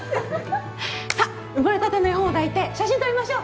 さっ生まれたての絵本を抱いて写真撮りましょう